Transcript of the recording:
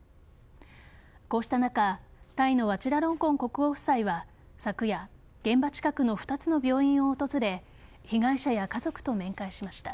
こうした中タイのワチラロンコン国王夫妻は昨夜、現場近くの２つの病院を訪れ被害者や家族と面会しました。